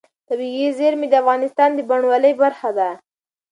طبیعي زیرمې د افغانستان د بڼوالۍ برخه ده.